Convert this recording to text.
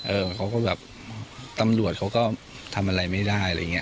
เขาก็แบบตำรวจเขาก็ทำอะไรไม่ได้อะไรอย่างนี้